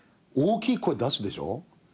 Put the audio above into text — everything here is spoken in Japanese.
大きい声出すでしょ。